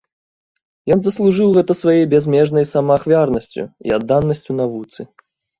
Ён заслужыў гэта сваёй бязмежнай самаахвярнасцю і адданасцю навуцы.